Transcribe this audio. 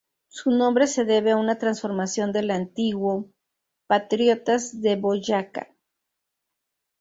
Su nombre se debe a una transformación del antiguo Patriotas de Boyacá.